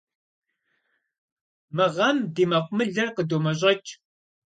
Мы гъэм ди мэкъумылэр къыдомэщӏэкӏ.